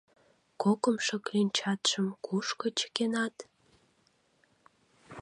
— Кокымшо кленчатшым кушко чыкенат?